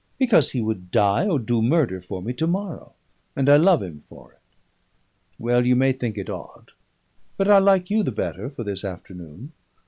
Because he would die or do murder for me to morrow; and I love him for it. Well, you may think it odd, but I like you the better for this afternoon.